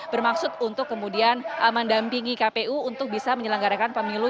bermaksud untuk kemudian mendampingi kpu untuk bisa menyelenggarakan pemilu